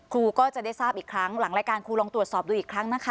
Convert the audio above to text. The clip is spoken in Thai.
ครูก็จะได้ทราบอีกครั้งหลังรายการครูลองตรวจสอบดูอีกครั้งนะคะ